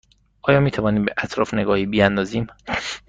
آیا می توانیم به اطراف نگاهی بیاندازیم؟